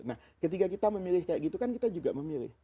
nah ketika kita memilih kayak gitu kan kita juga memilih